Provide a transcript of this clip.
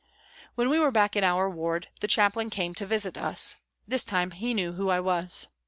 When we were back in our ward the Chaplain came to visit us. This time, he knew who I was.